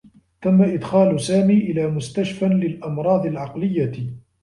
تمّ إدخال سامي إلى مستشفى للأمراض العقليّة.